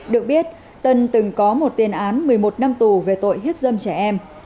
được biết tân từng có một tiền án một mươi một năm tù về tội hiếp dâm trẻ em